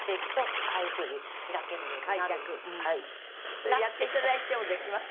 それやっていただいてもできます？